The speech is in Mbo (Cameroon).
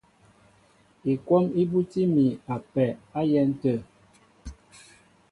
Ikwɔ́m í búti mi a pɛ á yɛ̌n tə̂.